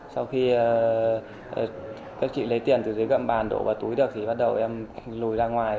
sau khi các chị lấy tiền từ dưới gậm bàn đổ vào túi được thì bắt đầu em lùi ra ngoài